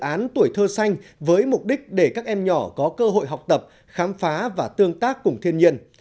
các án tuổi thơ xanh với mục đích để các em nhỏ có cơ hội học tập khám phá và tương tác cùng thiên nhiên